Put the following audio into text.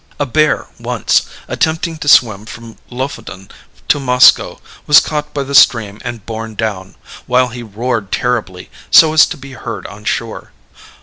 "A bear once, attempting to swim from Lofoden to Moskoe, was caught by the stream and borne down, while he roared terribly, so as to be heard on shore.